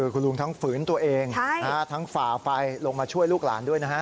คุณลุงทั้งฝืนตัวเองทั้งฝ่าไฟลงมาช่วยลูกหลานด้วยนะฮะ